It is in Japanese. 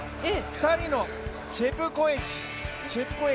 ２人のチェプコエチ。